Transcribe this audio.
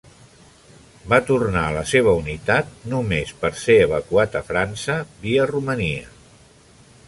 Va tornar a la seva unitat només per ser evacuat a França via Romania.